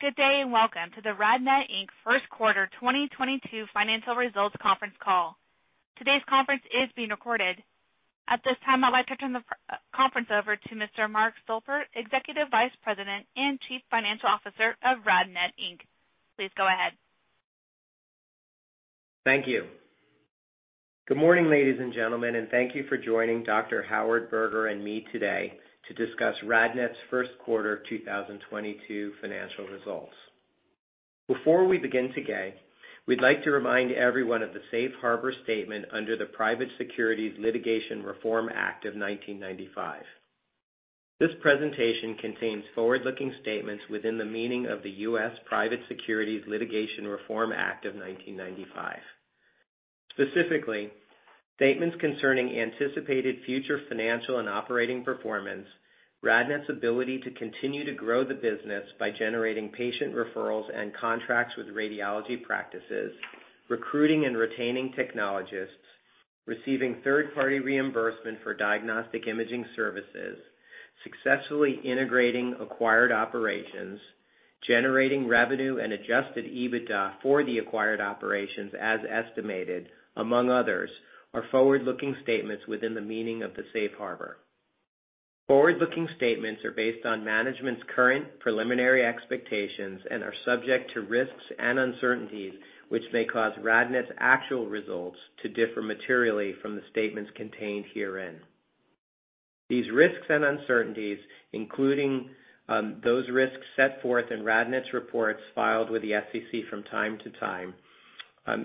Good day, and welcome to the RadNet, Inc. first quarter 2022 financial results conference call. Today's conference is being recorded. At this time, I'd like to turn the conference over to Mr. Mark Stolper, Executive Vice President and Chief Financial Officer of RadNet, Inc. Please go ahead. Thank you. Good morning, ladies and gentlemen, and thank you for joining Dr. Howard Berger and me today to discuss RadNet's first quarter 2022 financial results. Before we begin today, we'd like to remind everyone of the Safe Harbor statement under the Private Securities Litigation Reform Act of 1995. This presentation contains forward-looking statements within the meaning of the U.S. Private Securities Litigation Reform Act of 1995. Specifically, statements concerning anticipated future financial and operating performance, RadNet's ability to continue to grow the business by generating patient referrals and contracts with radiology practices, recruiting and retaining technologists, receiving third-party reimbursement for diagnostic imaging services, successfully integrating acquired operations, generating revenue and adjusted EBITDA for the acquired operations as estimated, among others, are forward-looking statements within the meaning of the Safe Harbor. Forward-looking statements are based on management's current preliminary expectations and are subject to risks and uncertainties, which may cause RadNet's actual results to differ materially from the statements contained herein. These risks and uncertainties, including those risks set forth in RadNet's reports filed with the SEC from time to time,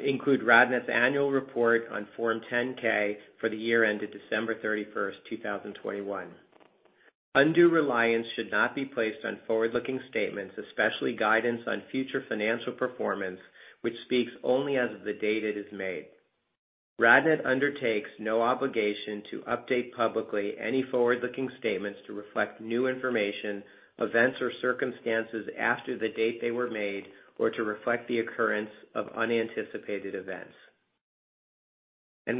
include RadNet's annual report on Form 10-K for the year ended December 31, 2021. Undue reliance should not be placed on forward-looking statements, especially guidance on future financial performance, which speaks only as of the date it is made. RadNet undertakes no obligation to update publicly any forward-looking statements to reflect new information, events or circumstances after the date they were made, or to reflect the occurrence of unanticipated events.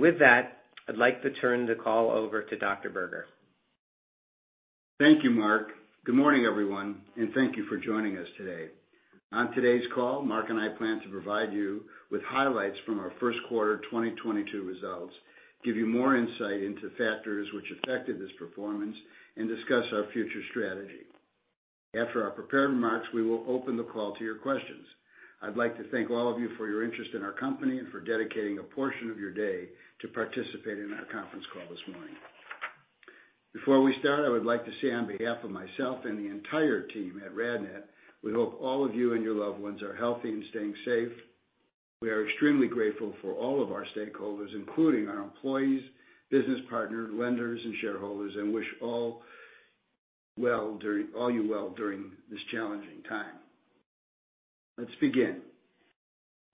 With that, I'd like to turn the call over to Dr. Berger. Thank you, Mark. Good morning, everyone, and thank you for joining us today. On today's call, Mark and I plan to provide you with highlights from our first quarter 2022 results, give you more insight into factors which affected this performance, and discuss our future strategy. After our prepared remarks, we will open the call to your questions. I'd like to thank all of you for your interest in our company and for dedicating a portion of your day to participate in our conference call this morning. Before we start, I would like to say on behalf of myself and the entire team at RadNet, we hope all of you and your loved ones are healthy and staying safe. We are extremely grateful for all of our stakeholders, including our employees, business partners, lenders, and shareholders, and wish all you well during this challenging time. Let's begin.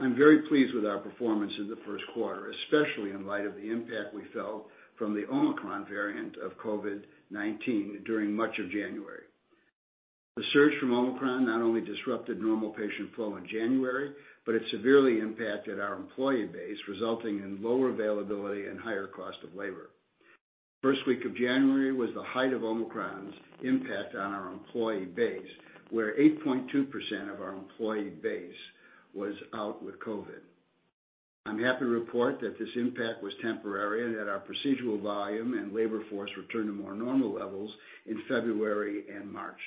I'm very pleased with our performance in the first quarter, especially in light of the impact we felt from the Omicron variant of COVID-19 during much of January. The surge from Omicron not only disrupted normal patient flow in January, but it severely impacted our employee base, resulting in lower availability and higher cost of labor. First week of January was the height of Omicron's impact on our employee base, where 8.2% of our employee base was out with COVID. I'm happy to report that this impact was temporary and that our procedural volume and labor force returned to more normal levels in February and March.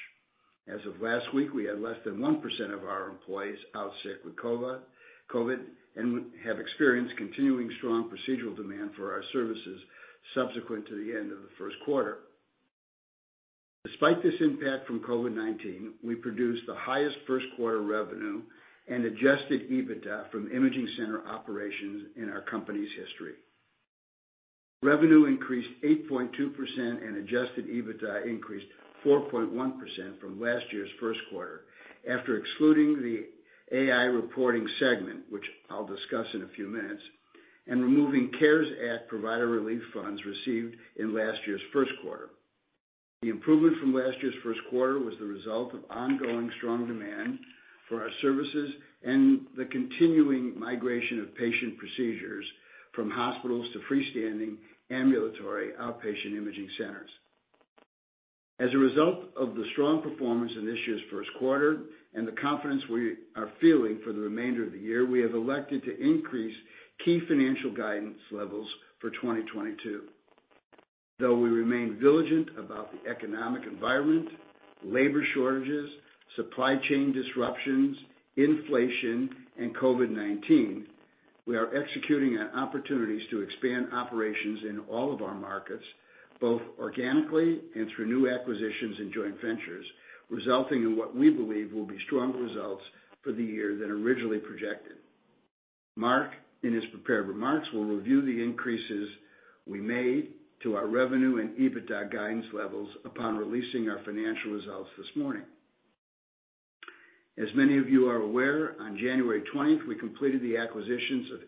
As of last week, we had less than 1% of our employees out sick with COVID, and we have experienced continuing strong procedural demand for our services subsequent to the end of the first quarter. Despite this impact from COVID-19, we produced the highest first quarter revenue and adjusted EBITDA from imaging center operations in our company's history. Revenue increased 8.2%, and adjusted EBITDA increased 4.1% from last year's first quarter after excluding the AI reporting segment, which I'll discuss in a few minutes, and removing CARES Act Provider Relief funds received in last year's first quarter. The improvement from last year's first quarter was the result of ongoing strong demand for our services and the continuing migration of patient procedures from hospitals to freestanding ambulatory outpatient imaging centers. As a result of the strong performance in this year's first quarter and the confidence we are feeling for the remainder of the year, we have elected to increase key financial guidance levels for 2022. Though we remain vigilant about the economic environment, labor shortages, supply chain disruptions, inflation, and COVID-19, we are executing on opportunities to expand operations in all of our markets, both organically and through new acquisitions and joint ventures, resulting in what we believe will be stronger results for the year than originally projected. Mark, in his prepared remarks, will review the increases we made to our revenue and adjusted EBITDA guidance levels upon releasing our financial results this morning. As many of you are aware, on January 20th, we completed the acquisitions of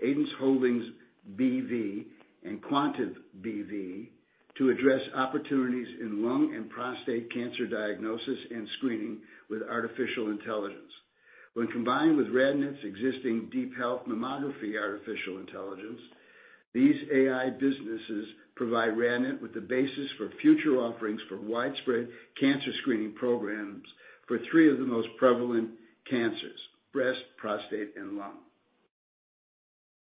Aidence Holding B.V. and Quantib B.V. to address opportunities in lung and prostate cancer diagnosis and screening with artificial intelligence. When combined with RadNet's existing DeepHealth mammography artificial intelligence, these AI businesses provide RadNet with the basis for future offerings for widespread cancer screening programs for three of the most prevalent cancers, breast, prostate and lung.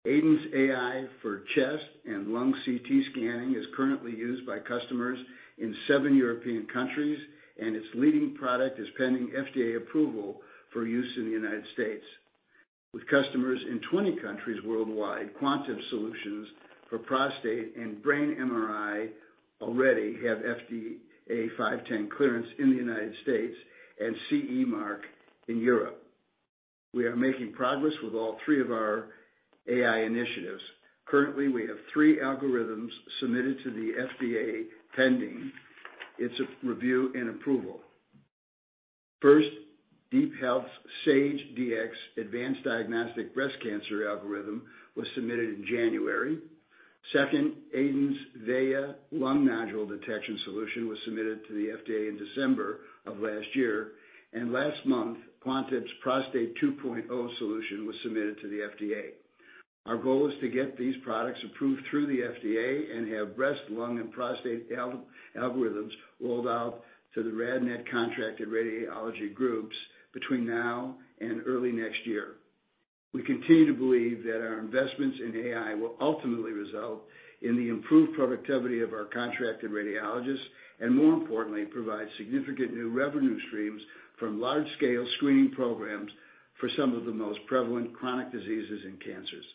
Aidence's AI for chest and lung CT scanning is currently used by customers in seven European countries, and its leading product is pending FDA approval for use in the United States. With customers in 20 countries worldwide, Quantib's solutions for prostate and brain MRI already have FDA 510(k) clearance in the United States and CE mark in Europe. We are making progress with all three of our AI initiatives. Currently, we have three algorithms submitted to the FDA pending its review and approval. First, DeepHealth's Saige-Dx advanced diagnostic breast cancer algorithm was submitted in January. Second, Aidence's Veye Lung Nodules detection solution was submitted to the FDA in December of last year. Last month, Quantib's Prostate 2.0 solution was submitted to the FDA. Our goal is to get these products approved through the FDA and have breast, lung, and prostate algorithms rolled out to the RadNet contracted radiology groups between now and early next year. We continue to believe that our investments in AI will ultimately result in the improved productivity of our contracted radiologists, and more importantly, provide significant new revenue streams from large-scale screening programs for some of the most prevalent chronic diseases and cancers.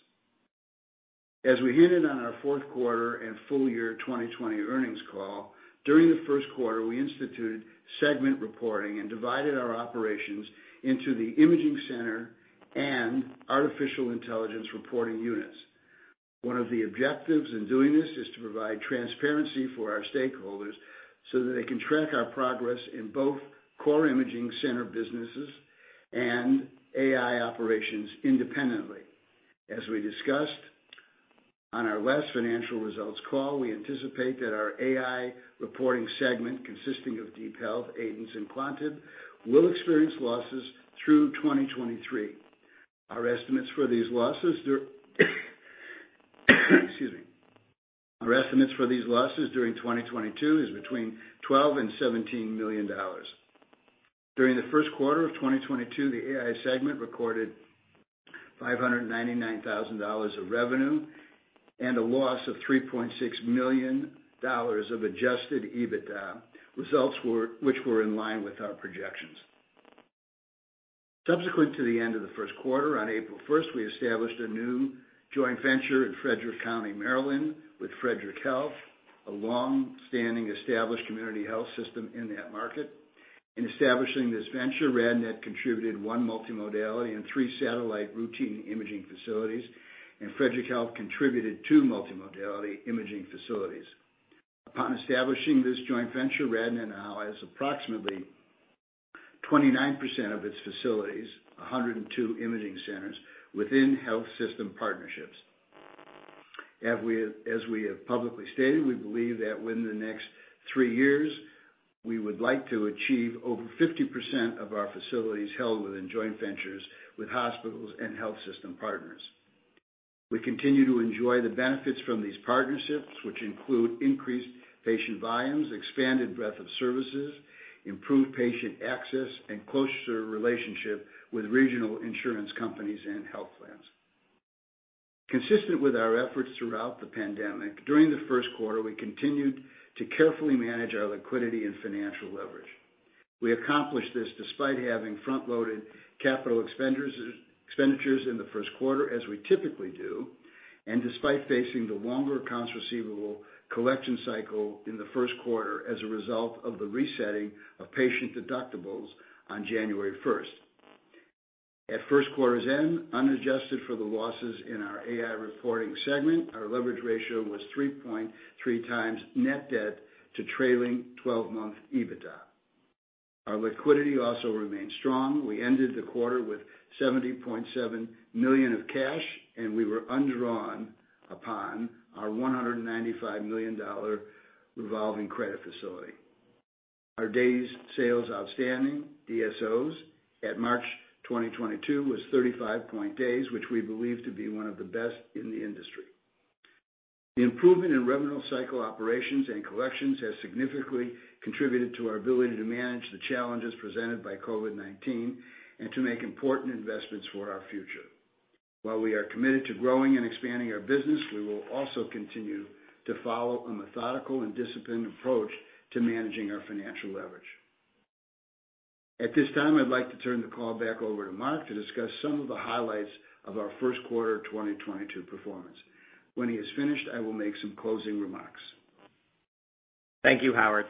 As we hinted on our fourth quarter and full year 2020 earnings call, during the first quarter, we instituted segment reporting and divided our operations into the imaging center and artificial intelligence reporting units. One of the objectives in doing this is to provide transparency for our stakeholders so that they can track our progress in both core imaging center businesses and AI operations independently. As we discussed on our last financial results call, we anticipate that our AI reporting segment consisting of DeepHealth, Aidence, and Quantib will experience losses through 2023. Our estimates for these losses during 2022 is between $12 million and $17 million. During the first quarter of 2022, the AI segment recorded $599,000 of revenue and a loss of $3.6 million of adjusted EBITDA, which were in line with our projections. Subsequent to the end of the first quarter, on April 1, we established a new joint venture in Frederick County, Maryland, with Frederick Health, a long-standing established community health system in that market. In establishing this venture, RadNet contributed one multimodality and three satellite routine imaging facilities, and Frederick Health contributed two multimodality imaging facilities. Upon establishing this joint venture, RadNet now has approximately 29% of its facilities, 102 imaging centers, within health system partnerships. As we have publicly stated, we believe that within the next three years, we would like to achieve over 50% of our facilities held within joint ventures with hospitals and health system partners. We continue to enjoy the benefits from these partnerships, which include increased patient volumes, expanded breadth of services, improved patient access, and closer relationship with regional insurance companies and health plans. Consistent with our efforts throughout the pandemic, during the first quarter, we continued to carefully manage our liquidity and financial leverage. We accomplished this despite having front-loaded capital expenditures in the first quarter, as we typically do, and despite facing the longer accounts receivable collection cycle in the first quarter as a result of the resetting of patient deductibles on January 1st. At first quarter's end, unadjusted for the losses in our AI reporting segment, our leverage ratio was 3.3x net debt to trailing 12-month EBITDA. Our liquidity also remained strong. We ended the quarter with $70.7 million of cash, and we were undrawn upon our $195 million revolving credit facility. Our days sales outstanding, DSOs, at March 2022 was 35 days, which we believe to be one of the best in the industry. The improvement in revenue cycle operations and collections has significantly contributed to our ability to manage the challenges presented by COVID-19 and to make important investments for our future. While we are committed to growing and expanding our business, we will also continue to follow a methodical and disciplined approach to managing our financial leverage. At this time, I'd like to turn the call back over to Mark to discuss some of the highlights of our first quarter 2022 performance. When he is finished, I will make some closing remarks. Thank you, Howard.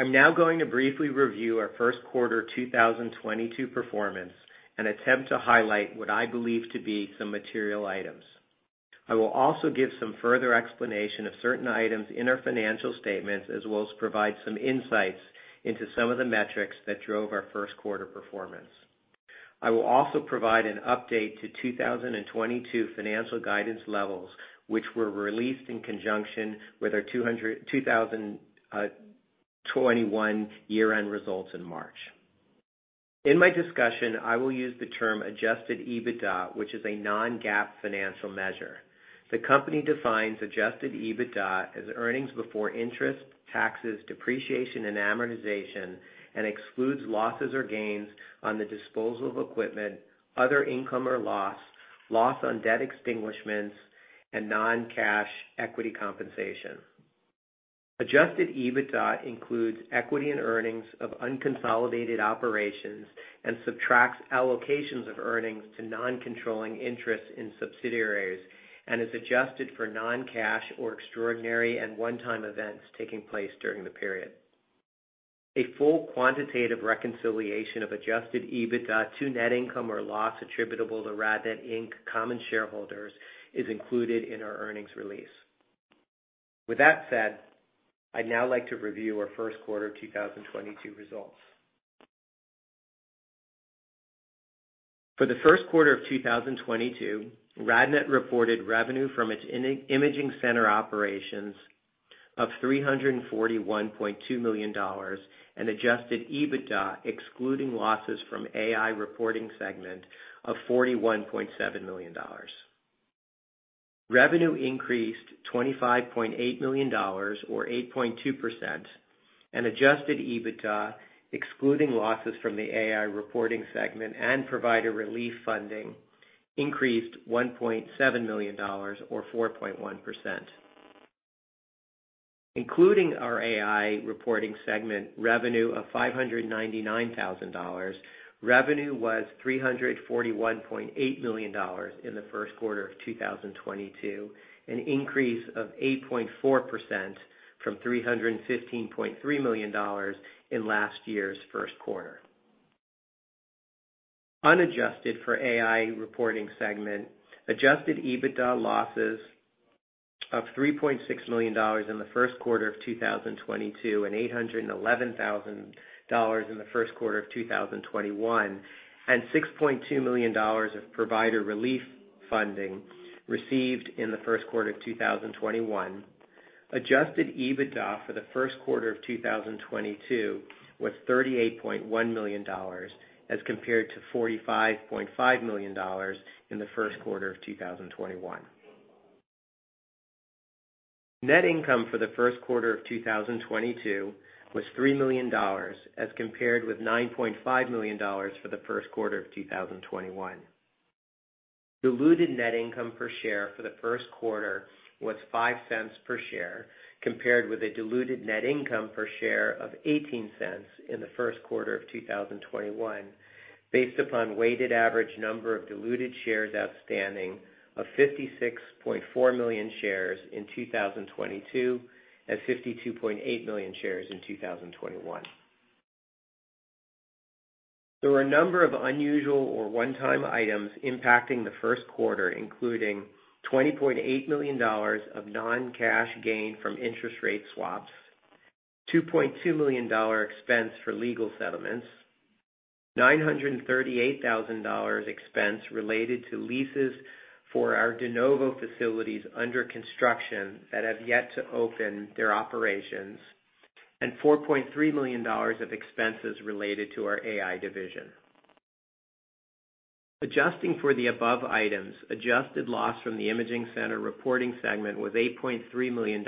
I'm now going to briefly review our first quarter 2022 performance and attempt to highlight what I believe to be some material items. I will also give some further explanation of certain items in our financial statements, as well as provide some insights into some of the metrics that drove our first quarter performance. I will also provide an update to 2022 financial guidance levels, which were released in conjunction with our 2021 year-end results in March. In my discussion, I will use the term adjusted EBITDA, which is a non-GAAP financial measure. The company defines adjusted EBITDA as earnings before interest, taxes, depreciation, and amortization, and excludes losses or gains on the disposal of equipment, other income or loss on debt extinguishments, and non-cash equity compensation. Adjusted EBITDA includes equity and earnings of unconsolidated operations and subtracts allocations of earnings to non-controlling interests in subsidiaries and is adjusted for non-cash or extraordinary and one-time events taking place during the period. A full quantitative reconciliation of Adjusted EBITDA to net income or loss attributable to RadNet, Inc. common shareholders is included in our earnings release. With that said, I'd now like to review our first quarter of 2022 results. For the first quarter of 2022, RadNet reported revenue from its imaging center operations of $341.2 million and Adjusted EBITDA, excluding losses from AI reporting segment of $41.7 million. Revenue increased $25.8 million or 8.2%, and adjusted EBITDA, excluding losses from the AI reporting segment and provider relief funding, increased $1.7 million or 4.1%. Including our AI reporting segment revenue of $599,000, revenue was $341.8 million in the first quarter of 2022, an increase of 8.4% from $315.3 million in last year's first quarter. Unadjusted for AI reporting segment, adjusted EBITDA losses of $3.6 million in the first quarter of 2022 and $811,000 in the first quarter of 2021, and $6.2 million of provider relief funding received in the first quarter of 2021. Adjusted EBITDA for the first quarter of 2022 was $38.1 million as compared to $45.5 million in the first quarter of 2021. Net income for the first quarter of 2022 was $3 million as compared with $9.5 million for the first quarter of 2021. Diluted net income per share for the first quarter was $0.05 per share, compared with a diluted net income per share of $0.18 in the first quarter of 2021, based upon weighted average number of diluted shares outstanding of 56.4 million shares in 2022 and 52.8 million shares in 2021. There were a number of unusual or one-time items impacting the first quarter, including $20.8 million of non-cash gain from interest rate swaps, $2.2 million dollar expense for legal settlements, $938,000 expense related to leases for our de novo facilities under construction that have yet to open their operations, and $4.3 million of expenses related to our AI division. Adjusting for the above items, adjusted loss from the imaging center reporting segment was $8.3 million,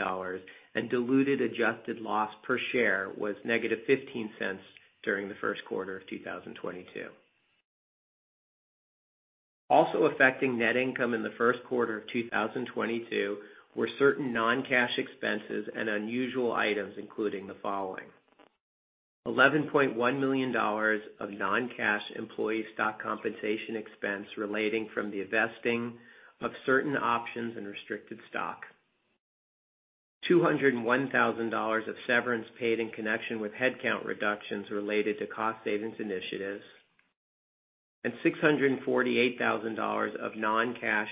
and diluted adjusted loss per share was -$0.15 during the first quarter of 2022. Also affecting net income in the first quarter of 2022 were certain non-cash expenses and unusual items, including the following, $11.1 million of non-cash employee stock compensation expense resulting from the vesting of certain options and restricted stock, $201,000 of severance paid in connection with headcount reductions related to cost savings initiatives, and $648,000 of non-cash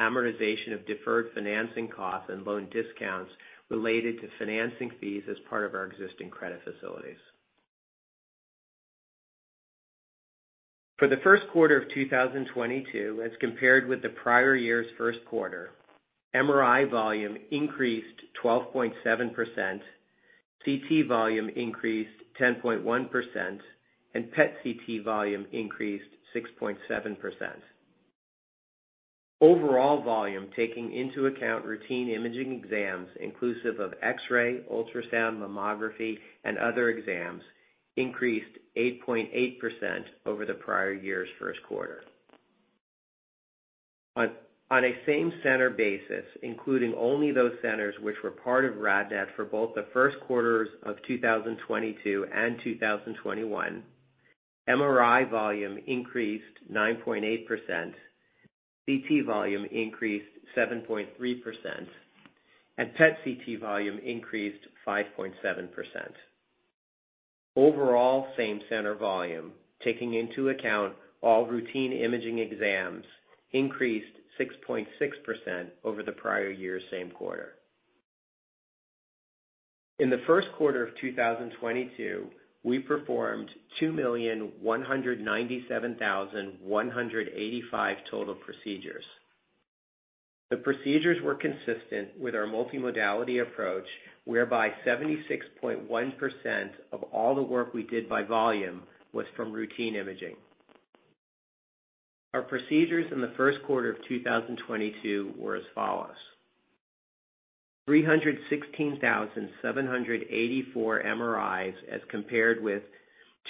amortization of deferred financing costs and loan discounts related to financing fees as part of our existing credit facilities. For the first quarter of 2022, as compared with the prior year's first quarter, MRI volume increased 12.7%, CT volume increased 10.1%, and PET CT volume increased 6.7%. Overall volume, taking into account routine imaging exams inclusive of X-ray, ultrasound, mammography, and other exams, increased 8.8% over the prior year's first quarter. On a same-center basis, including only those centers which were part of RadNet for both the first quarters of 2022 and 2021, MRI volume increased 9.8%, CT volume increased 7.3%, and PET CT volume increased 5.7%. Overall same center volume, taking into account all routine imaging exams, increased 6.6% over the prior year's same quarter. In the first quarter of 2022, we performed 2,197,185 total procedures. The procedures were consistent with our multimodality approach, whereby 76.1% of all the work we did by volume was from routine imaging. Our procedures in the first quarter of 2022 were as follows. 316,784 MRIs as compared with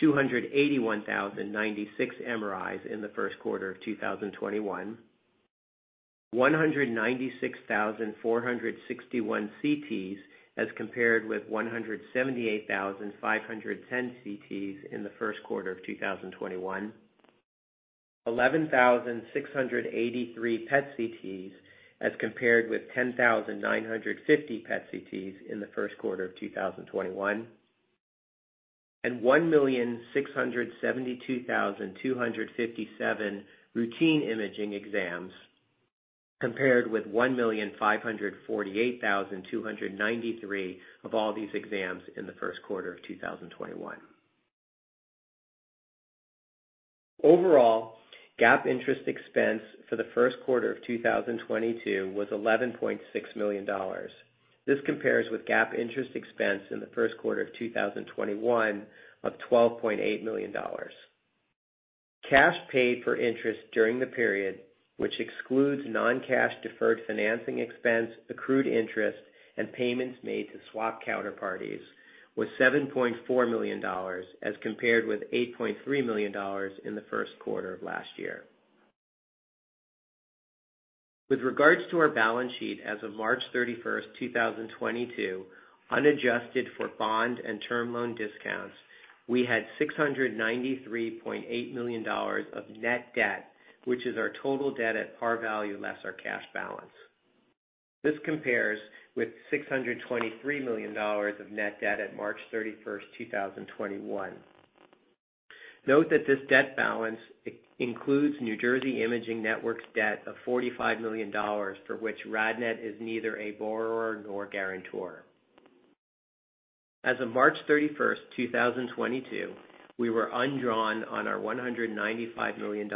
281,096 MRIs in the first quarter of 2021. 196,461 CTs as compared with 178,510 CTs in the first quarter of 2021. 11,683 PET CTs as compared with 10,950 PET CTs in the first quarter of 2021. 1,672,257 routine imaging exams compared with 1,548,293 of all these exams in the first quarter of 2021. Overall, GAAP interest expense for the first quarter of 2022 was $11.6 million. This compares with GAAP interest expense in the first quarter of 2021 of $12.8 million. Cash paid for interest during the period, which excludes non-cash deferred financing expense, accrued interest, and payments made to swap counterparties was $7.4 million as compared with $8.3 million in the first quarter of last year. With regards to our balance sheet as of March 31, 2022, unadjusted for bond and term loan discounts, we had $693.8 million of net debt, which is our total debt at par value less our cash balance. This compares with $623 million of net debt at March 31, 2021. Note that this debt balance includes New Jersey Imaging Network's debt of $45 million, for which RadNet is neither a borrower nor guarantor. As of March 31, 2022, we were undrawn on our $195 million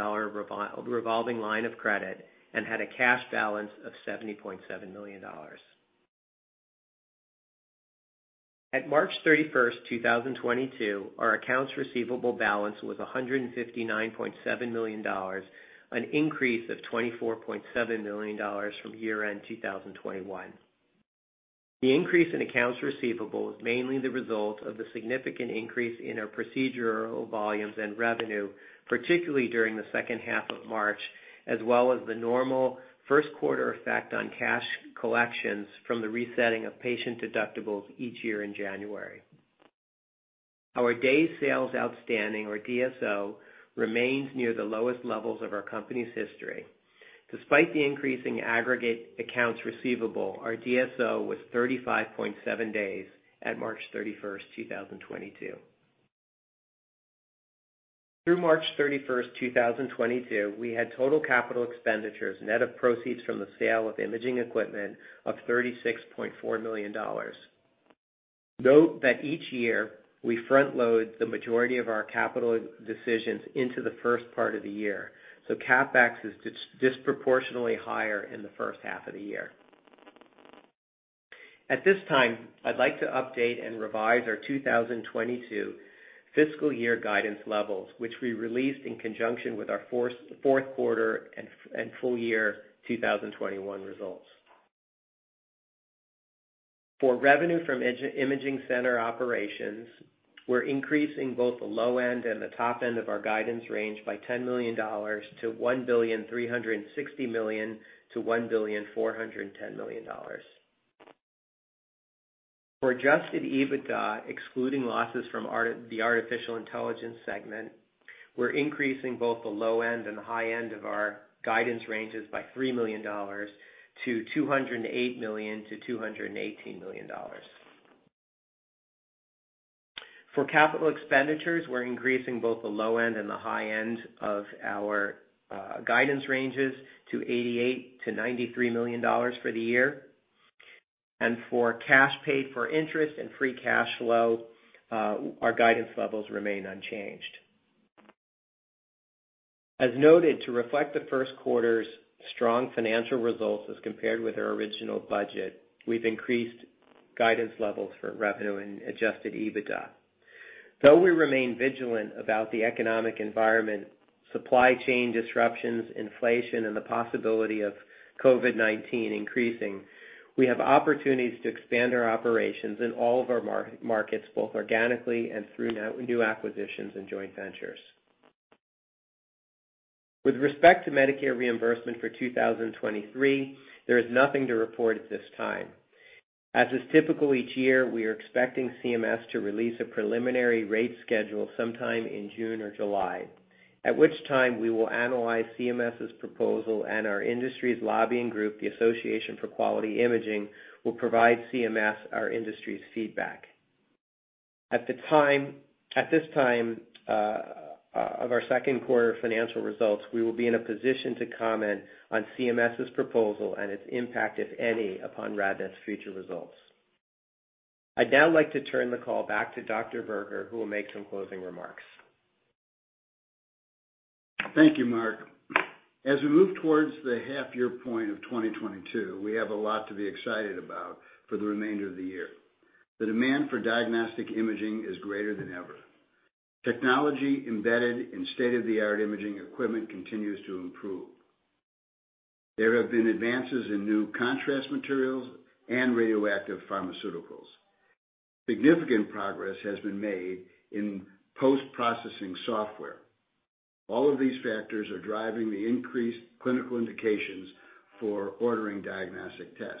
revolving line of credit and had a cash balance of $70.7 million. At March 31, 2022, our accounts receivable balance was $159.7 million, an increase of $24.7 million from year-end 2021. The increase in accounts receivable was mainly the result of the significant increase in our procedural volumes and revenue, particularly during the second 1/2 of March, as well as the normal first quarter effect on cash collections from the resetting of patient deductibles each year in January. Our days sales outstanding or DSO remains near the lowest levels of our company's history. Despite the increase in aggregate accounts receivable, our DSO was 35.7 days at March 31, 2022. Through March 31, 2022, we had total capital expenditures net of proceeds from the sale of imaging equipment of $36.4 million. Note that each year we front load the majority of our capital decisions into the first part of the year, so CapEx is disproportionately higher in the first 1/2 of the year. At this time, I'd like to update and revise our 2022 fiscal year guidance levels, which we released in conjunction with our fourth quarter and full year 2021 results. For revenue from imaging center operations, we're increasing both the low end and the top end of our guidance range by $10 million to $1.36 billion-$1.41 billion. For adjusted EBITDA, excluding losses from the artificial intelligence segment, we're increasing both the low end and the high end of our guidance ranges by $3 million to $208 million-$218 million. For capital expenditures, we're increasing both the low end and the high end of our guidance ranges to $88 million-$93 million for the year. For cash paid for interest and free cash flow, our guidance levels remain unchanged. As noted, to reflect the first quarter's strong financial results as compared with our original budget, we've increased guidance levels for revenue and adjusted EBITDA. Though we remain vigilant about the economic environment, supply chain disruptions, inflation, and the possibility of COVID-19 increasing, we have opportunities to expand our operations in all of our markets, both organically and through new acquisitions and joint ventures. With respect to Medicare reimbursement for 2023, there is nothing to report at this time. As is typical each year, we are expecting CMS to release a preliminary rate schedule sometime in June or July, at which time we will analyze CMS's proposal and our industry's lobbying group, the Association for Quality Imaging, will provide CMS our industry's feedback. At this time of our second quarter financial results, we will be in a position to comment on CMS's proposal and its impact, if any, upon RadNet's future results. I'd now like to turn the call back to Dr. Berger, who will make some closing remarks. Thank you, Mark. As we move towards the 1/2 year point of 2022, we have a lot to be excited about for the remainder of the year. The demand for diagnostic imaging is greater than ever. Technology embedded in state-of-the-art imaging equipment continues to improve. There have been advances in new contrast materials and radioactive pharmaceuticals. Significant progress has been made in post-processing software. All of these factors are driving the increased clinical indications for ordering diagnostic tests.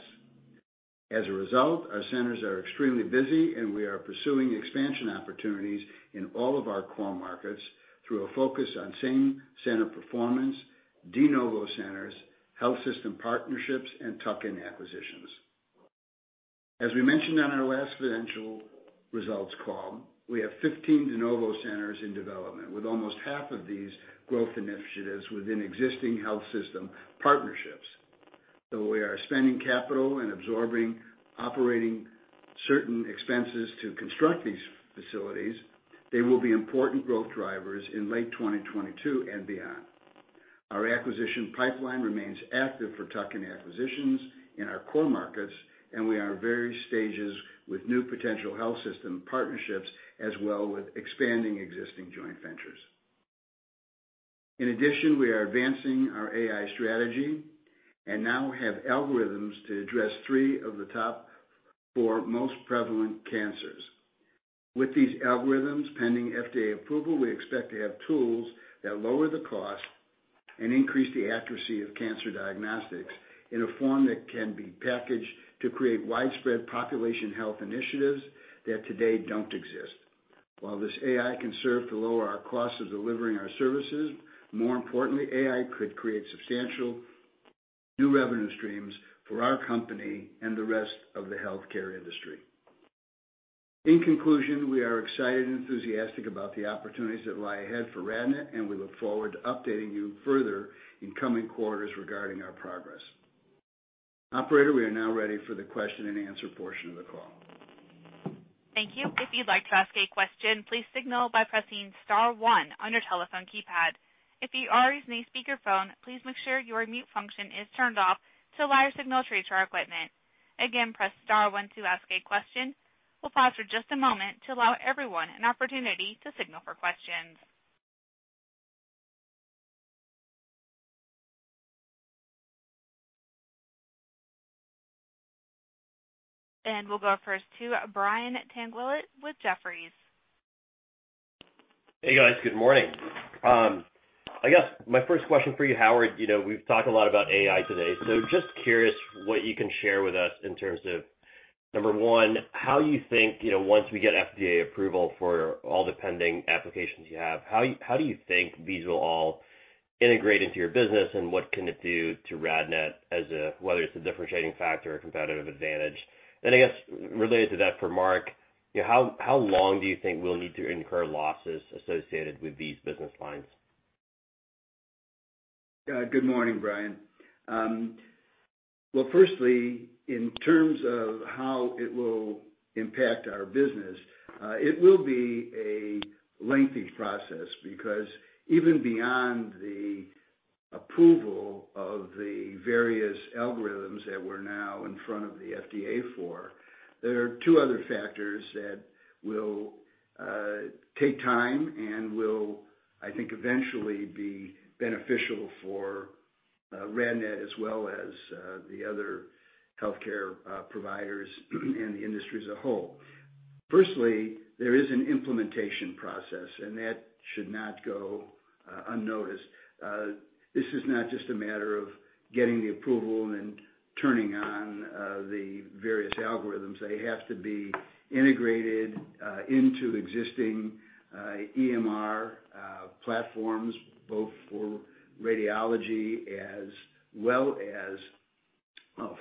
As a result, our centers are extremely busy, and we are pursuing expansion opportunities in all of our core markets through a focus on same-center performance, de novo centers, health system partnerships, and tuck-in acquisitions. As we mentioned on our last financial results call, we have 15 de novo centers in development, with almost 1/2 of these growth initiatives within existing health system partnerships. Though we are spending capital and absorbing operating certain expenses to construct these facilities, they will be important growth drivers in late 2022 and beyond. Our acquisition pipeline remains active for tuck-in acquisitions in our core markets, and we are at various stages with new potential health system partnerships as well with expanding existing joint ventures. In addition, we are advancing our AI strategy and now have algorithms to address three of the top four most prevalent cancers. With these algorithms pending FDA approval, we expect to have tools that lower the cost and increase the accuracy of cancer diagnostics in a form that can be packaged to create widespread population health initiatives that today don't exist. While this AI can serve to lower our cost of delivering our services, more importantly, AI could create substantial new revenue streams for our company and the rest of the healthcare industry. In conclusion, we are excited and enthusiastic about the opportunities that lie ahead for RadNet, and we look forward to updating you further in coming quarters regarding our progress. Operator, we are now ready for the question and answer portion of the call. Thank you. If you'd like to ask a question. We'll pause for just a moment to allow everyone an opportunity to signal for questions. We'll go first to Brian Tanquilut with Jefferies. Hey, guys. Good morning. I guess my first question for you, Howard, you know, we've talked a lot about AI today, so just curious what you can share with us in terms of, number one, how you think, you know, once we get FDA approval for all the pending applications you have, how do you think these will all integrate into your business, and what can it do to RadNet as a whether it's a differentiating factor or competitive advantage? I guess related to that for Mark, you know, how long do you think we'll need to incur losses associated with these business lines? Good morning, Brian. Well, firstly, in terms of how it will impact our business, it will be a lengthy process because even beyond the approval of the various algorithms that we're now in front of the FDA for, there are two other factors that will take time and will, I think, eventually be beneficial for RadNet as well as the other healthcare providers and the industry as a whole. Firstly, there is an implementation process, and that should not go unnoticed. This is not just a matter of getting the approval and then turning on the various algorithms. They have to be integrated into existing EMR platforms, both for radiology as well as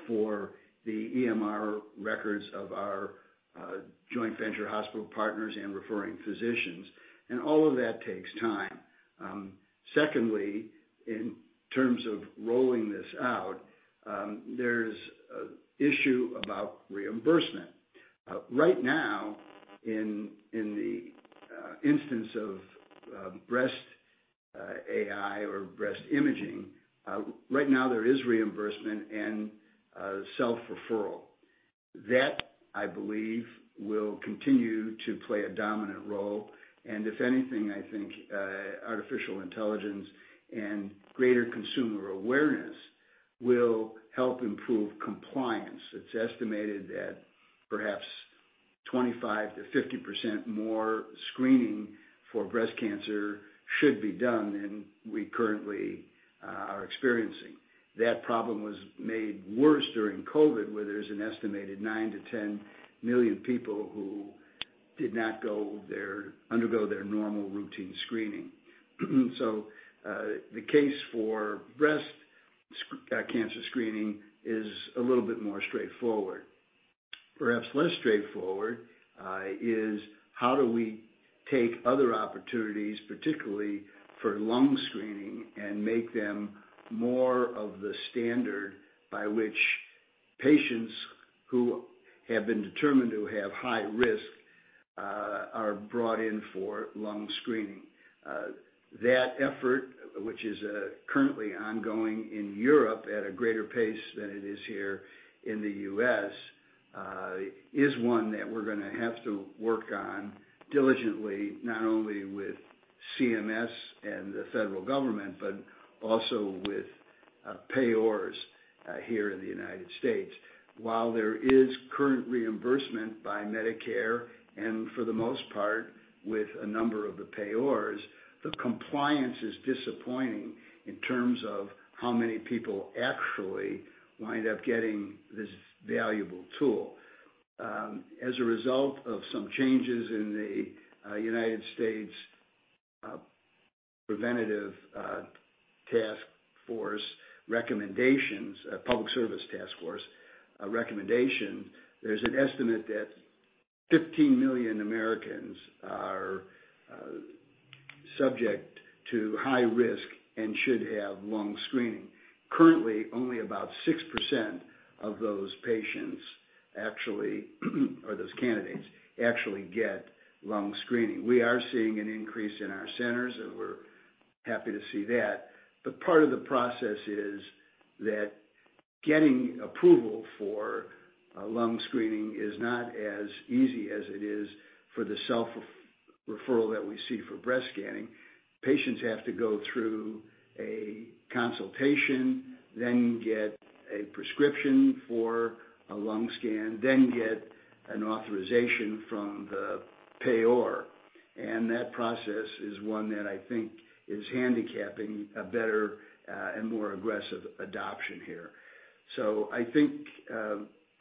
for the EMR records of our joint venture hospital partners and referring physicians, and all of that takes time. Secondly, in terms of rolling this out, there's an issue about reimbursement. Right now in the instance of breast AI or breast imaging, right now there is reimbursement and self-referral. That, I believe, will continue to play a dominant role, and if anything, I think artificial intelligence and greater consumer awareness will help improve compliance. It's estimated that perhaps 25%-50% more screening for breast cancer should be done than we currently are experiencing. That problem was made worse during COVID, where there's an estimated 9 million-10 million people who did not undergo their normal routine screening. The case for breast cancer screening is a little bit more straightforward. Perhaps less straightforward is how do we take other opportunities, particularly for lung screening and make them more of the standard by which patients who have been determined to have high risk are brought in for lung screening? That effort, which is currently ongoing in Europe at a greater pace than it is here in the U.S., is one that we're gonna have to work on diligently, not only with CMS and the federal government, but also with payers here in the United States. While there is current reimbursement by Medicare, and for the most part with a number of the payers, the compliance is disappointing in terms of how many people actually wind up getting this valuable tool. As a result of some changes in the U.S. Preventive Services Task Force recommendations, there's an estimate that 15 million Americans are subject to high risk and should have lung screening. Currently, only about 6% of those patients or those candidates actually get lung screening. We are seeing an increase in our centers, and we're happy to see that. But part of the process is that getting approval for a lung screening is not as easy as it is for the self-referral that we see for breast scanning. Patients have to go through a consultation, then get a prescription for a lung scan, then get an authorization from the payer. That process is one that I think is handicapping a better and more aggressive adoption here. I think,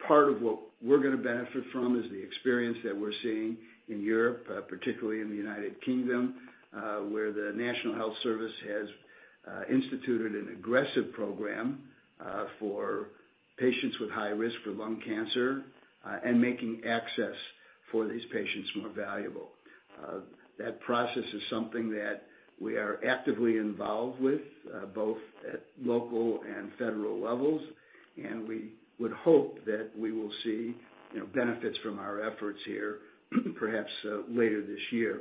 part of what we're gonna benefit from is the experience that we're seeing in Europe, particularly in the United Kingdom, where the National Health Service has instituted an aggressive program, for patients with high risk for lung cancer, and making access for these patients more valuable. That process is something that we are actively involved with, both at local and federal levels, and we would hope that we will see, you know, benefits from our efforts here perhaps, later this year.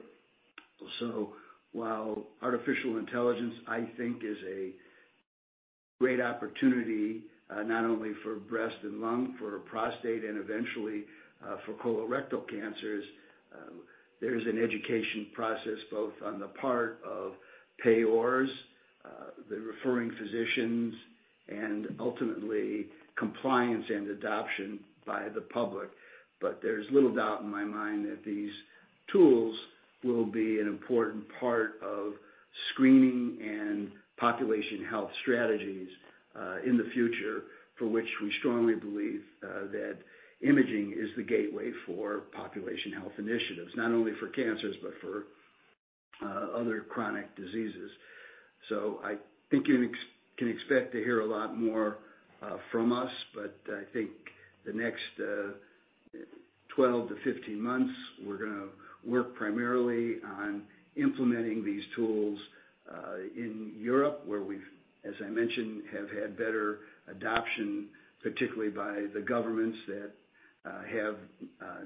While artificial intelligence, I think, is a great opportunity, not only for breast and lung, for prostate, and eventually, for colorectal cancers, there's an education process both on the part of payers, the referring physicians, and ultimately compliance and adoption by the public. There's little doubt in my mind that these tools will be an important part of screening and population health strategies in the future, for which we strongly believe that imaging is the gateway for population health initiatives, not only for cancers, but for other chronic diseases. I think you can expect to hear a lot more from us, but I think the next 12-15 months, we're gonna work primarily on implementing these tools in Europe, where we've, as I mentioned, have had better adoption, particularly by the governments that have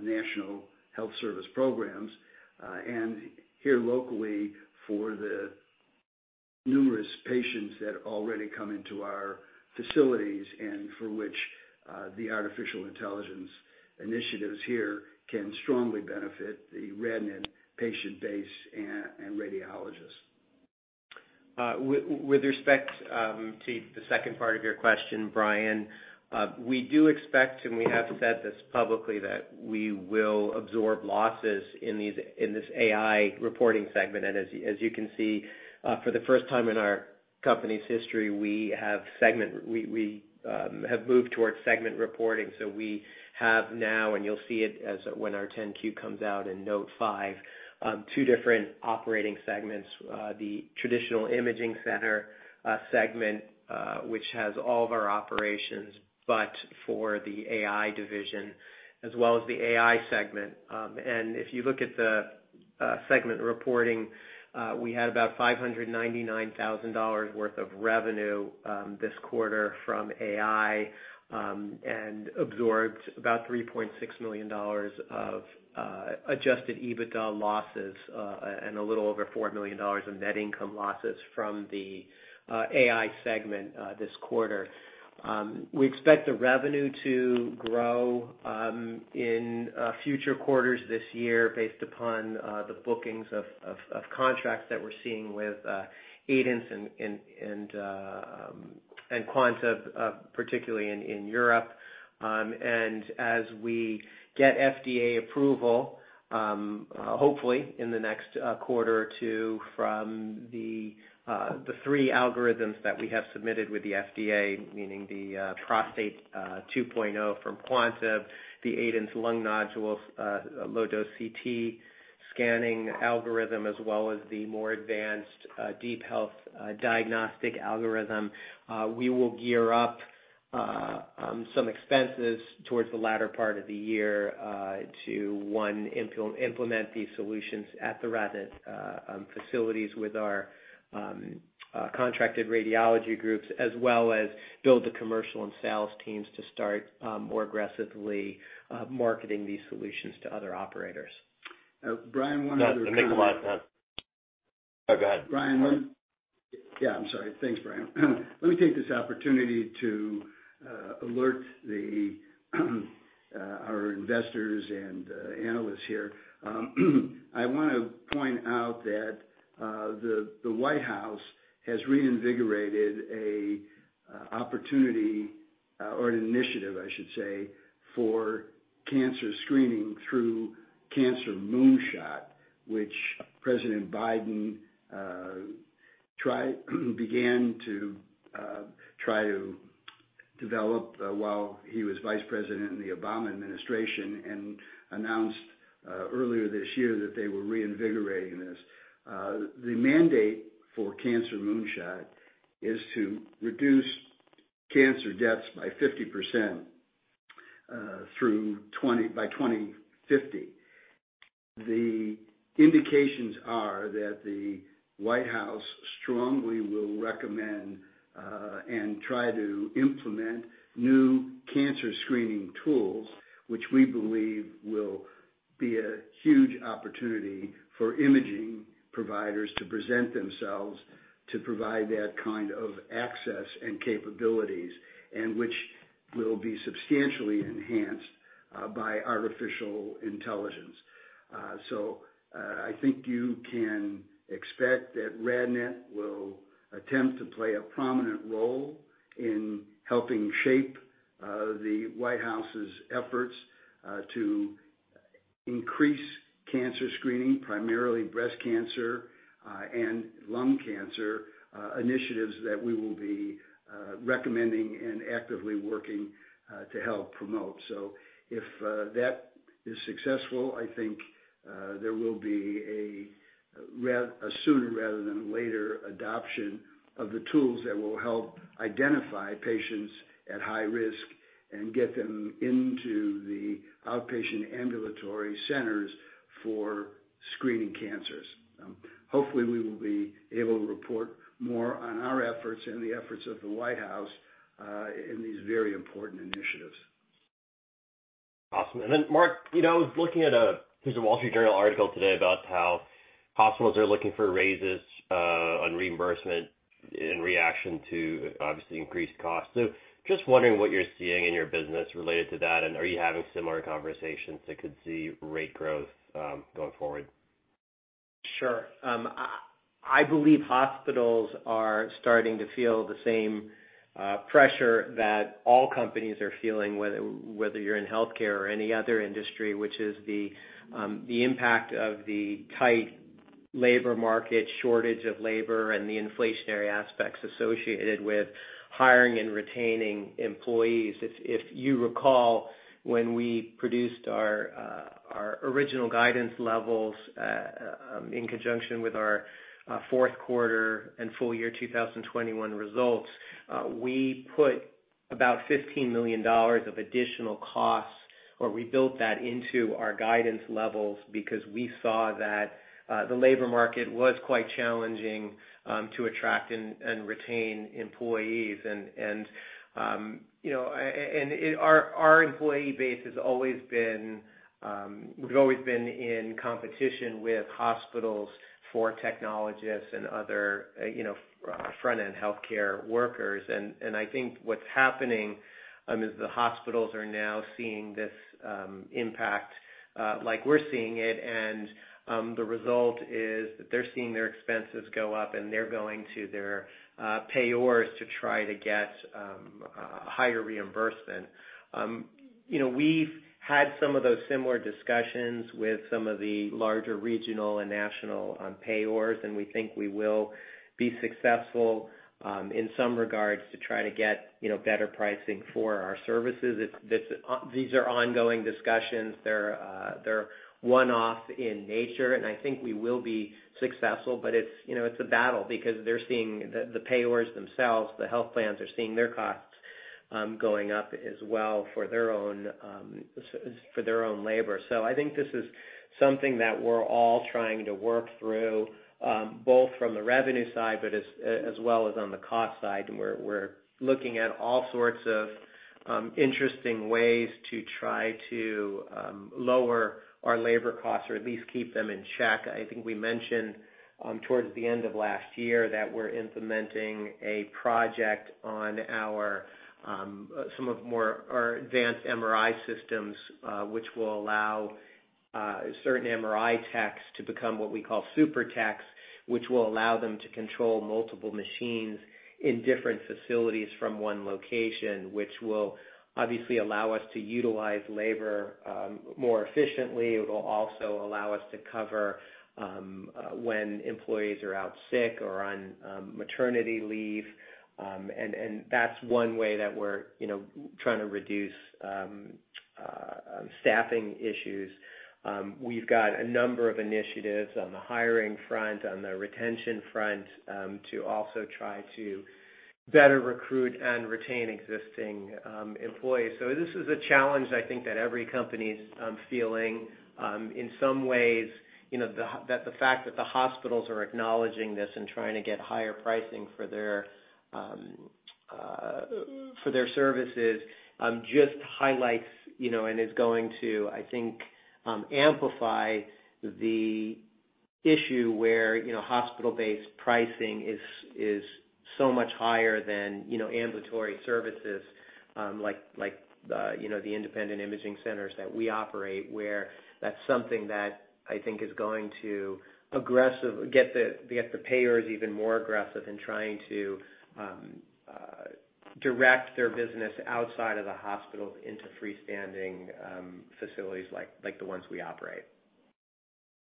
National Health Service programs, and here locally for the numerous patients that already come into our facilities and for which the artificial intelligence initiatives here can strongly benefit the RadNet patient base and radiologists. With respect to the second part of your question, Brian, we do expect, and we have said this publicly, that we will absorb losses in this AI reporting segment. As you can see, for the first time in our company's history, we have moved towards segment reporting. We have now, and you'll see it when our 10-Q comes out in Note five, two different operating segments. The traditional imaging center segment, which has all of our operations but for the AI division, as well as the AI segment. If you look at the segment reporting, we had about $599,000 worth of revenue this quarter from AI, and absorbed about $3.6 million of adjusted EBITDA losses, and a little over $4 million in net income losses from the AI segment this quarter. We expect the revenue to grow in future quarters this year based upon the bookings of contracts that we're seeing with Aidence and Quantib, particularly in Europe. As we get FDA approval, hopefully in the next quarter or two from the three algorithms that we have submitted with the FDA, meaning the prostate 2.0 from Quantib, the Aidence lung nodule low-dose CT scanning algorithm, as well as the more advanced DeepHealth diagnostic algorithm, we will gear up some expenses towards the latter part of the year to implement these solutions at the RadNet facilities with our contracted radiology groups, as well as build the commercial and sales teams to start more aggressively marketing these solutions to other operators. Brian, one other thing. No, Nick. Oh, go ahead. Brian, Go ahead. Yeah, I'm sorry. Thanks, Brian. Let me take this opportunity to alert our investors and analysts here. I wanna point out that the White House has reinvigorated a opportunity or an initiative, I should say, for cancer screening through Cancer Moonshot, which President Biden began to try to develop while he was vice president in the Obama administration and announced earlier this year that they were reinvigorating this. The mandate for Cancer Moonshot is to reduce cancer deaths by 50% by 2050. The indications are that the White House strongly will recommend and try to implement new cancer screening tools, which we believe will be a huge opportunity for imaging providers to present themselves to provide that kind of access and capabilities, and which will be substantially enhanced by artificial intelligence. I think you can expect that RadNet will attempt to play a prominent role in helping shape the White House's efforts to increase cancer screening, primarily breast cancer and lung cancer initiatives that we will be recommending and actively working to help promote. If that is successful, I think there will be a sooner rather than later adoption of the tools that will help identify patients at high risk and get them into the outpatient ambulatory centers for screening cancers. Hopefully, we will be able to report more on our efforts and the efforts of the White House, in these very important initiatives. Awesome. Mark, you know, I was looking at a Wall Street Journal article today about how hospitals are looking for raises on reimbursement in reaction to, obviously, increased costs. Just wondering what you're seeing in your business related to that, and are you having similar conversations that could see rate growth going forward? Sure. I believe hospitals are starting to feel the same pressure that all companies are feeling, whether you're in healthcare or any other industry, which is the impact of the tight labor market, shortage of labor, and the inflationary aspects associated with hiring and retaining employees. If you recall, when we produced our original guidance levels in conjunction with our fourth quarter and full year 2021 results, we put about $15 million of additional costs, or we built that into our guidance levels because we saw that the labor market was quite challenging to attract and retain employees. You know, and our employee base has always been we've always been in competition with hospitals for technologists and other front-end healthcare workers. I think what's happening is the hospitals are now seeing this impact like we're seeing it, and the result is that they're seeing their expenses go up, and they're going to their payers to try to get higher reimbursement. You know, we've had some of those similar discussions with some of the larger regional and national payers, and we think we will be successful in some regards to try to get you know better pricing for our services. These are ongoing discussions. They're one-off in nature, and I think we will be successful, but it's you know it's a battle because the payers themselves, the health plans are seeing their costs going up as well for their own labor. I think this is something that we're all trying to work through, both from the revenue side, but as well as on the cost side. We're looking at all sorts of interesting ways to try to lower our labor costs or at least keep them in check. I think we mentioned towards the end of last year that we're implementing a project on our some of our more advanced MRI systems, which will allow certain MRI techs to become what we call super techs, which will allow them to control multiple machines in different facilities from one location, which will obviously allow us to utilize labor more efficiently. It will also allow us to cover when employees are out sick or on maternity leave. That's one way that we're, you know, trying to reduce staffing issues. We've got a number of initiatives on the hiring front, on the retention front, to also try to better recruit and retain existing employees. This is a challenge I think that every company is feeling. In some ways, you know, that the fact that the hospitals are acknowledging this and trying to get higher pricing for their, for their services, just highlights, you know, and is going to, I think, amplify the issue where, you know, hospital-based pricing is so much higher than, you know, ambulatory services, like, you know, the independent imaging centers that we operate where that's something that I think is going to get the payers even more aggressive in trying to, direct their business outside of the hospitals into freestanding, facilities like the ones we operate.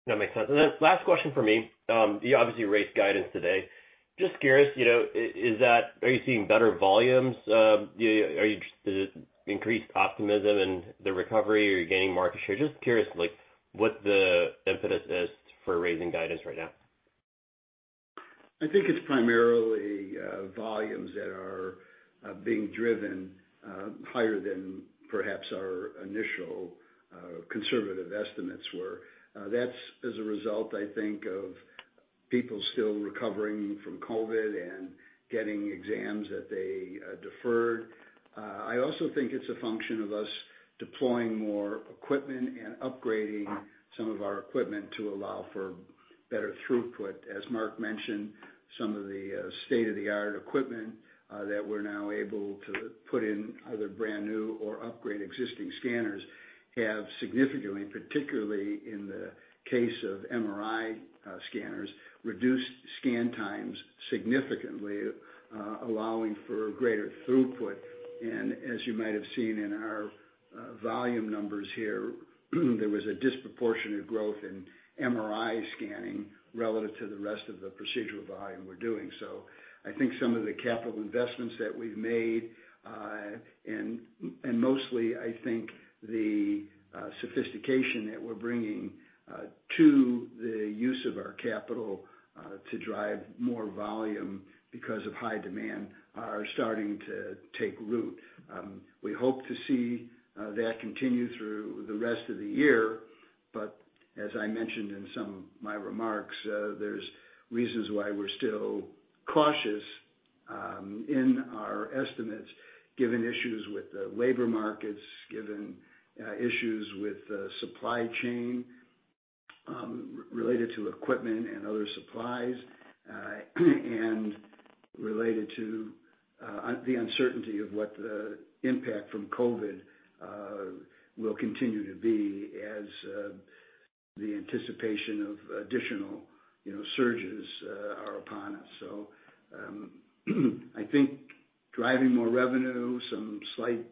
That makes sense. Last question from me. You obviously raised guidance today. Just curious, you know, is that, are you seeing better volumes? Are you, is it increased optimism in the recovery? Are you gaining market share? Just curious, like, what the impetus is for raising guidance right now. I think it's primarily volumes that are being driven higher than perhaps our initial conservative estimates were. That's as a result, I think, of people still recovering from COVID and getting exams that they deferred. I also think it's a function of us deploying more equipment and upgrading some of our equipment to allow for better throughput. As Mark mentioned, some of the state-of-the-art equipment that we're now able to put in either brand new or upgrade existing scanners have significantly, particularly in the case of MRI scanners, reduced scan times significantly, allowing for greater throughput. As you might have seen in our volume numbers here, there was a disproportionate growth in MRI scanning relative to the rest of the procedural volume we're doing. I think some of the capital investments that we've made, and mostly I think the sophistication that we're bringing to the use of our capital to drive more volume because of high demand are starting to take root. We hope to see that continue through the rest of the year. As I mentioned in some of my remarks, there's reasons why we're still cautious in our estimates, given issues with the labor markets, given issues with the supply chain related to equipment and other supplies, and related to the uncertainty of what the impact from COVID will continue to be as the anticipation of additional, you know, surges are upon us. I think driving more revenue, some slight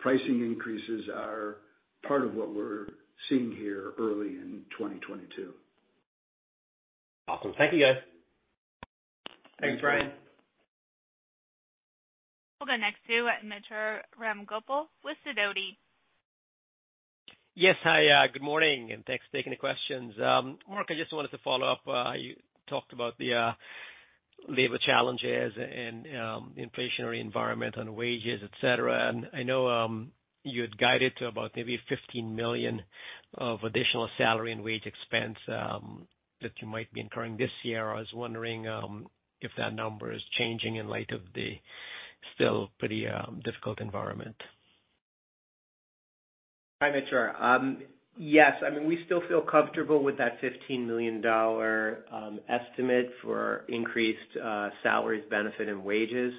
pricing increases are part of what we're seeing here early in 2022. Awesome. Thank you, guys. Thanks, Brian. Thanks. We'll go next to Mitra Ramgopal with Sidoti. Yes. Hi, good morning, and thanks for taking the questions. Mark, I just wanted to follow up. You talked about the labor challenges and the inflationary environment on wages, et cetera. I know you had guided to about maybe $15 million of additional salary and wage expense that you might be incurring this year. I was wondering if that number is changing in light of the still pretty difficult environment. Hi, Mitra. Yes, I mean, we still feel comfortable with that $15 million estimate for increased salaries, benefits, and wages.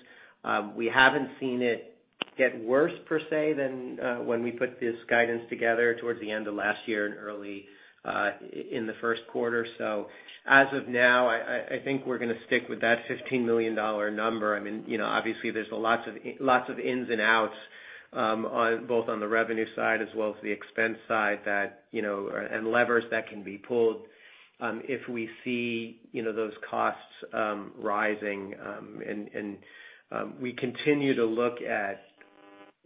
We haven't seen it get worse per se than when we put this guidance together towards the end of last year and early in the first quarter. As of now, I think we're gonna stick with that $15 million number. I mean, you know, obviously there's lots of ins and outs on both the revenue side as well as the expense side that, you know, and levers that can be pulled if we see, you know, those costs rising. We continue to look at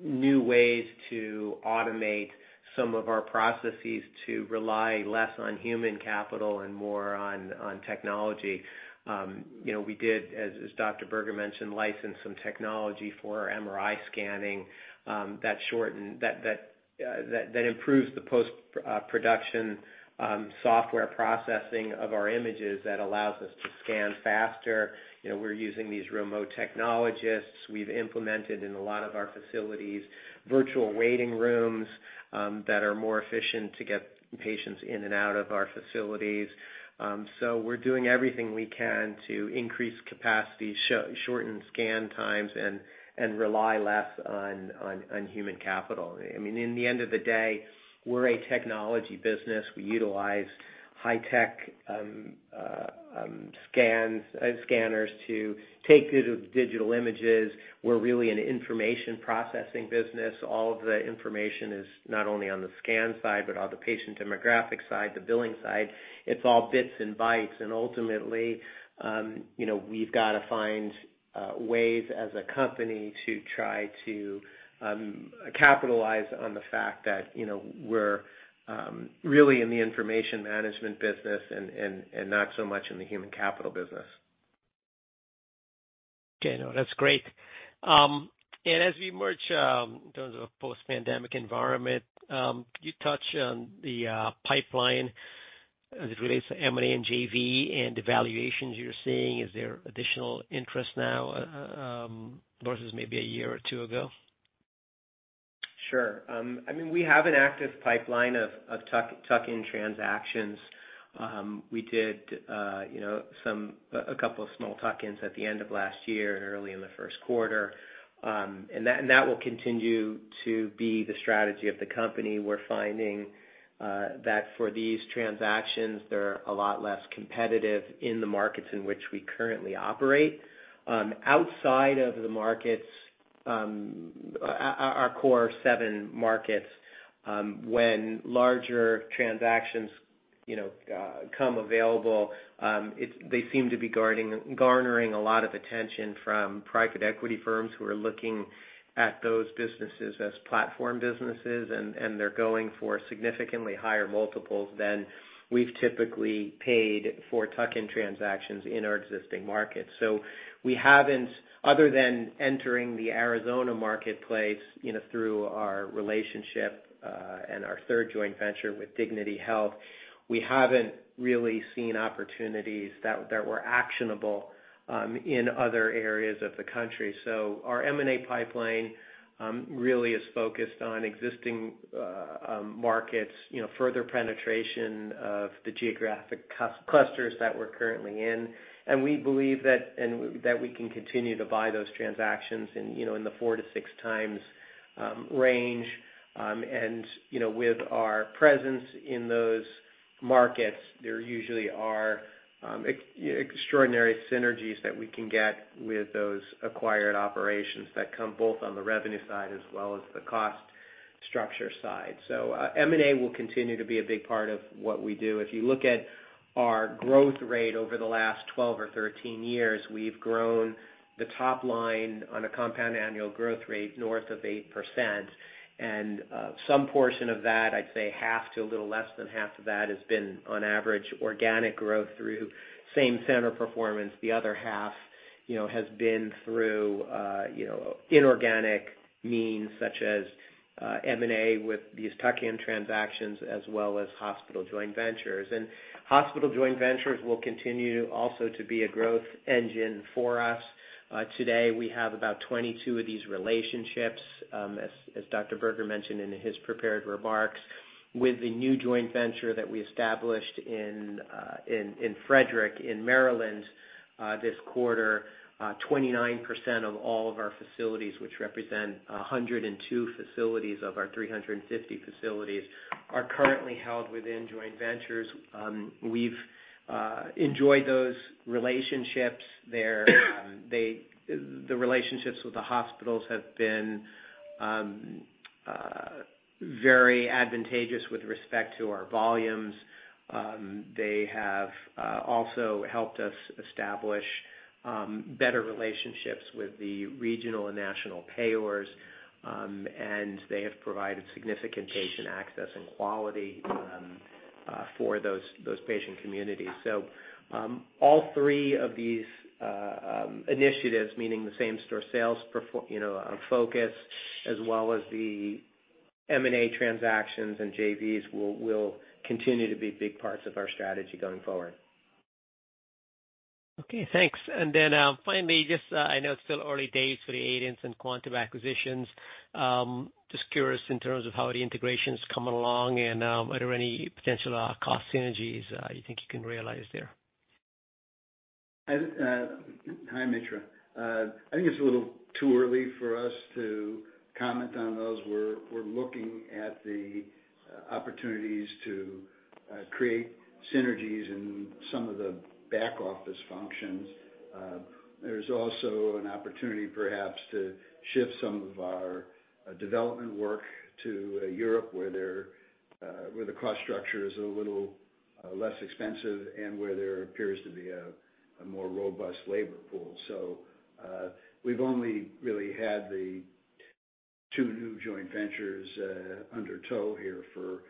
new ways to automate some of our processes to rely less on human capital and more on technology. You know, we did, as Dr. Berger mentioned, license some technology for our MRI scanning that improves the post production software processing of our images that allows us to scan faster. You know, we're using these remote technologists. We've implemented in a lot of our facilities virtual waiting rooms that are more efficient to get patients in and out of our facilities. We're doing everything we can to increase capacity, shorten scan times, and rely less on human capital. I mean, at the end of the day, we're a technology business. We utilize high-tech scanners to take good digital images. We're really an information processing business. All of the information is not only on the scan side, but on the patient demographic side, the billing side. It's all bits and bytes. Ultimately, you know, we've got to find ways as a company to try to capitalize on the fact that, you know, we're really in the information management business and not so much in the human capital business. Okay, no, that's great. As we emerge in terms of a post-pandemic environment, could you touch on the pipeline as it relates to M&A and JV and valuations you're seeing. Is there additional interest now versus maybe a year or two ago? Sure. I mean, we have an active pipeline of tuck-in transactions. We did, you know, a couple of small tuck-ins at the end of last year and early in the first quarter. That will continue to be the strategy of the company. We're finding that for these transactions, they're a lot less competitive in the markets in which we currently operate. Outside of the markets, our core seven markets, when larger transactions, you know, come available, they seem to be garnering a lot of attention from private equity firms who are looking at those businesses as platform businesses and they're going for significantly higher multiples than we've typically paid for tuck-in transactions in our existing markets. We haven't, other than entering the Arizona marketplace, you know, through our relationship and our third joint venture with Dignity Health, we haven't really seen opportunities that were actionable in other areas of the country. Our M&A pipeline really is focused on existing markets, you know, further penetration of the geographic clusters that we're currently in. We believe that we can continue to buy those transactions in, you know, in the four-six times range. You know, with our presence in those markets, there usually are extraordinary synergies that we can get with those acquired operations that come both on the revenue side as well as the cost structure side. M&A will continue to be a big part of what we do. If you look at our growth rate over the last 12 or 13 years, we've grown the top line on a compound annual growth rate north of 8%. Some portion of that, I'd say 1/2 to a little less than 1/2 of that, has been on average organic growth through same center performance. The other 1/2, you know, has been through, you know, inorganic means such as M&A with these tuck-in transactions as well as hospital joint ventures. Hospital joint ventures will continue also to be a growth engine for us. Today we have about 22 of these relationships. As Dr. Berger mentioned in his prepared remarks, with the new joint venture that we established in Frederick in Maryland, this quarter, 29% of all of our facilities, which represent 102 facilities of our 350 facilities, are currently held within joint ventures. We've enjoyed those relationships. The relationships with the hospitals have been very advantageous with respect to our volumes. They have also helped us establish better relationships with the regional and national payers, and they have provided significant patient access and quality for those patient communities. All three of these initiatives, meaning the same store sales you know, focus as well as the M&A transactions and JVs will continue to be big parts of our strategy going forward. Okay, thanks. Finally, just I know it's still early days for the Aidence and Quantib acquisitions. Just curious in terms of how the integration's coming along and are there any potential cost synergies you think you can realize there? Hi, Mitra. I think it's a little too early for us to comment on those. We're looking at the opportunities to create synergies in some of the back office functions. There's also an opportunity perhaps to shift some of our development work to Europe, where the cost structure is a little less expensive and where there appears to be a more robust labor pool. We've only really had the two new joint ventures in tow here for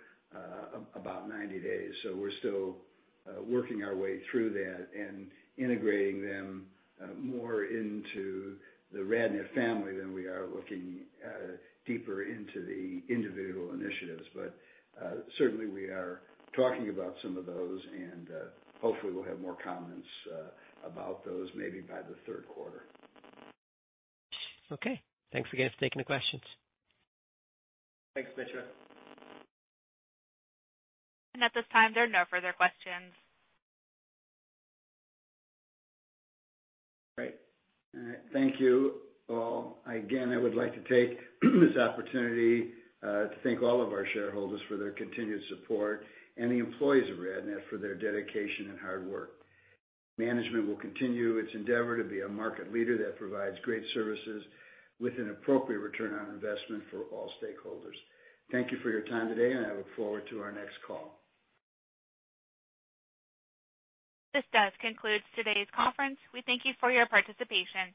about 90 days. We're still working our way through that and integrating them more into the RadNet family than we are looking deeper into the individual initiatives. Certainly we are talking about some of those and hopefully we'll have more comments about those maybe by the third quarter. Okay. Thanks again for taking the questions. Thanks, Mitra. At this time, there are no further questions. Great. All right. Thank you all. Again, I would like to take this opportunity to thank all of our shareholders for their continued support and the employees of RadNet for their dedication and hard work. Management will continue its endeavor to be a market leader that provides great services with an appropriate return on investment for all stakeholders. Thank you for your time today, and I look forward to our next call. This does conclude today's conference. We thank you for your participation.